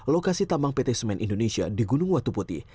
lokasi tambang pt semen indonesia di gunung watu putih